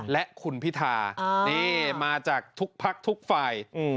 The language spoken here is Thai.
และคุณพิธานี่มาจากทุกพักทุกฝ่าย